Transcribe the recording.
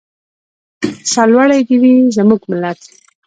سرلوړی دې وي زموږ ملت.